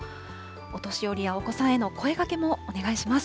お年寄りやお子さんへの声がけもお願いします。